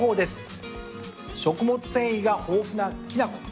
食物繊維が豊富なきな粉。